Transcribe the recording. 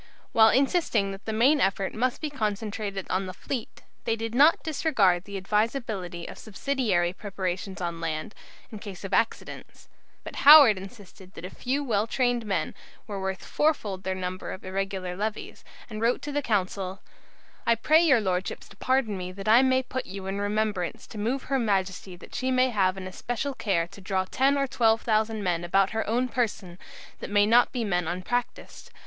While insisting that the main effort must be concentrated on the fleet, they did not disregard the advisability of subsidiary preparations on land, in case of accidents. But Howard insisted that a few well trained men were worth fourfold their number of irregular levies, and wrote to the Council: "I pray your Lordships to pardon me that I may put you in remembrance to move her Majesty that she may have an especial care to draw ten or twelve thousand men about her own person, that may not be men unpractised.